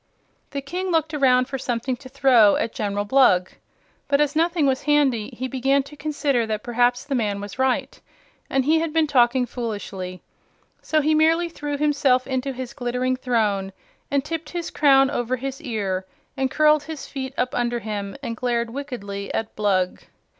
The King looked around for something to throw at General Blug, but as nothing was handy he began to consider that perhaps the man was right and he had been talking foolishly. So he merely threw himself into his glittering throne and tipped his crown over his ear and curled his feet up under him and glared wickedly at Blug.